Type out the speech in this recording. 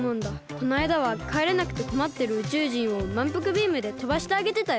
こないだはかえれなくてこまってる宇宙人をまんぷくビームでとばしてあげてたよ。